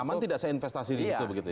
aman tidak saya investasi di situ begitu ya